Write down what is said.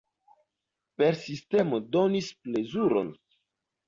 Persistemo donis plezuron!